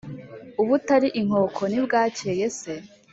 ubutari inkoko ntibwakeye se,